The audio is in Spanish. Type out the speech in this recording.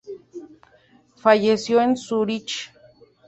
Falleció en Zúrich.